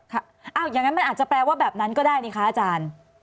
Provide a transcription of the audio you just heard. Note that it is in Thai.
อย่างนั้นมันอาจจะแปลว่าแบบนั้นก็ได้นี่คะอาจารย์